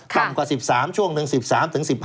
ต่ำกว่า๑๓ช่วงนึง